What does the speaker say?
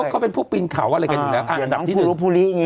เขาก็เป็นผู้ปินเขาอะไรกันอยู่แล้ว